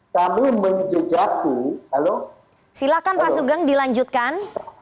kami menjejaki silahkan pak sugeng dilanjutkan